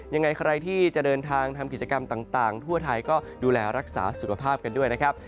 ยังไงใครที่จะเดินทางทำกิจกรรมต่างทั่วไทยก็ดูแลรักษาสุขภาพกันด้วยนะครับ